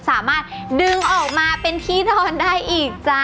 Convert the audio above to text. สามารถดึงออกมาเป็นที่นอนได้อีกจ้ะ